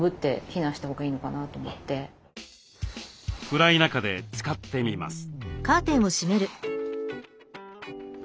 暗い中で使ってみます。